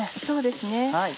そうですね。